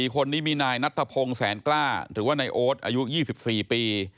คนนี้มีนายนัทธพงศ์แสนกล้าหรือว่านายโอ๊ตอายุ๒๔ปี